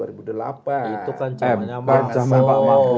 itu kan camanya mahfud